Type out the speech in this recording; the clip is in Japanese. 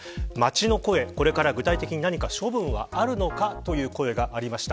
街の声、これから具体的に何か処分はあるのかという声がありました。